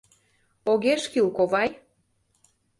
Огеш кӱл, ковай.